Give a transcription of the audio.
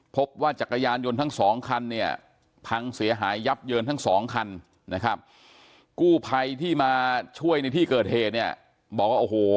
พบว่าจักรยานยนต์ทั้งสองคันเนี่ยพังเสียหายยับเยินทั้งสองคันนะครับกู้ภัยที่มาช่วยในที่เกิดเหตุเนี่ยบอกว่าโอ้โห